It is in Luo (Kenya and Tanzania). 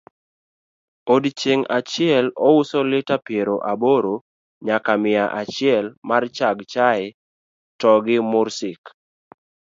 odiochieng' achiel ouso lita piero aboro nyaka mia achiel marchag chae togi mursik